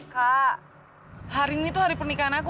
kak hari ini tuh hari pernikahan aku